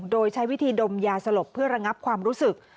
โดยใช้วิธีดมยาสลบเพื่อระงับความรู้สึก